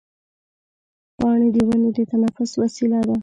پاڼې د ونې د تنفس وسیله ده.